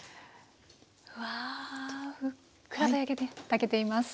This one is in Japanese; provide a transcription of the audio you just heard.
うわふっくらと炊けています。